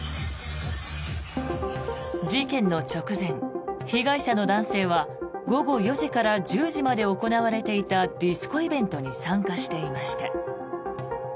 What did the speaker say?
事件の直前、被害者の男性は午後４時から１０時まで行われていたディスコイベントに参加していました。